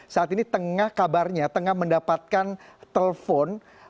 saat ini tengah kabarnya tengah mendapatkan telpon